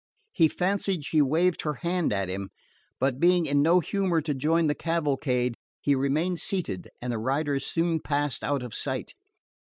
He fancied she waved her hand to him; but being in no humour to join the cavalcade, he remained seated, and the riders soon passed out of sight.